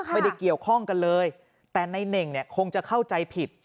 ไม่ได้เกี่ยวข้องกันเลยแต่ในเน่งเนี่ยคงจะเข้าใจผิด